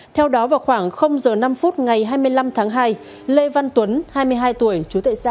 theo đó vào khoảng h năm ngày hai mươi năm tháng hai lê văn tuấn hai mươi hai tuổi chú tệ xã